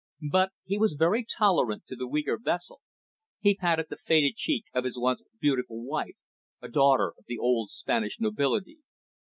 But he was very tolerant to the weaker vessel. He patted the faded cheek of his once beautiful wife, a daughter of the old Spanish nobility.